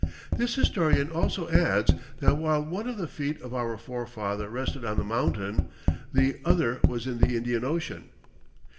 This historian also adds that while one of the feet of our forefather rested on the mountain, the other was in the Indian ocean.